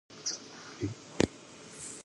There are also several high schools in the county.